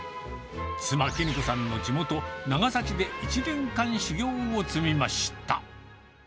妻、キヌ子さんの地元、長崎で１年間修業を積みました。